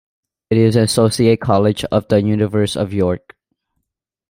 It is an associate college of the University of York.